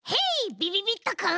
びびびっとくん。